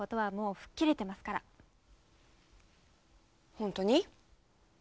本当に？